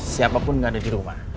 siapapun yang ada di rumah